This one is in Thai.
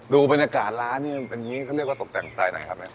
ดูบรรยากาศร้านนี่เรียกว่าตกแต่งสไตล์ไหนครับ